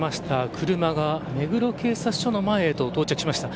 車が目黒警察署の前へと到着しました。